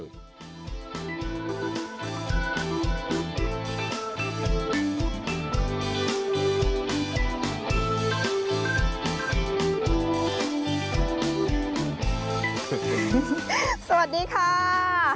ภายอื่นยายแปลงเสนอ